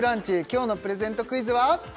今日のプレゼントクイズは？